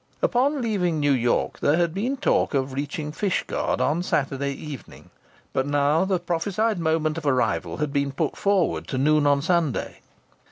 Upon leaving New York there had been talk of reaching Fishguard on Saturday evening. But now the prophesied moment of arrival had been put forward to noon on Sunday.